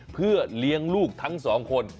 เพื่อเลี้ยงลูกทั้งสองคน